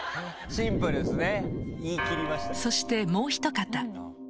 シンプルですね。